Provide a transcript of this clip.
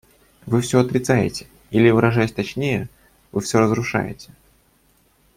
Вы все отрицаете, или, выражаясь точнее, вы все разрушаете...